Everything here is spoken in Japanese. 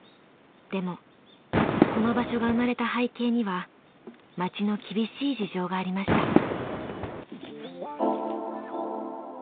でもこの場所が生まれた背景には町の厳しい事情がありました。